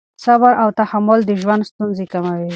صبر او تحمل د ژوند ستونزې کموي.